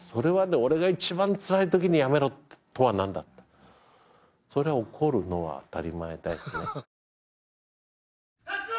俺が一番つらい時に辞めろとは何だってそりゃ怒るのは当たり前だよね勝つぞ！